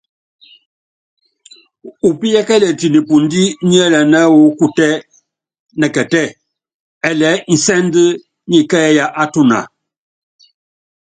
Upíyɛ́kɛlɛt nipundí niɛ́lɛnɛ́ wɔ́ kutɛ nɛkɛtɛ́ ɛlɛɛ́ insɛ́nd nyɛ kɛ́ɛ́y á tuna.